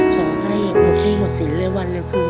ขอให้คุณพี่หมดสินเร็ววันเร็วคืน